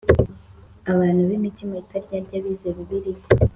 Abantu b’ imitima itaryarya bize Bibiliya.